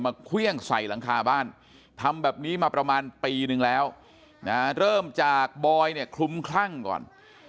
เครื่องใส่หลังคาบ้านทำแบบนี้มาประมาณปีนึงแล้วนะเริ่มจากบอยเนี่ยคลุมคลั่งก่อน